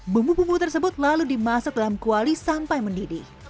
bumbu bumbu tersebut lalu dimasak dalam kuali sampai mendidih